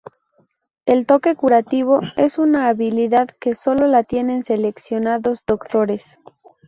El toque curativo es una habilidad que sólo la tienen seleccionados doctores.